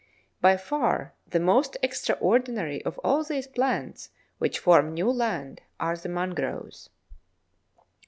By far the most extraordinary of all these plants which form new land are the Mangroves.